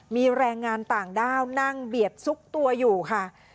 มีแรงงานต่างด้าวนั่งเบียดซุกตัวอยู่ค่ะ